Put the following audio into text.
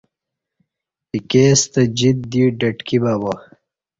ایکے ستہ جیت دی ڈٹکی ببا